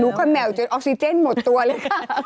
หนูก็แหม่วจนออเคซิเจนหมดตัวเลยค่ะ